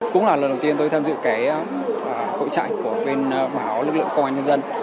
cũng là lần đầu tiên tôi tham dự cái hội trại của bên báo lực lượng công an nhân dân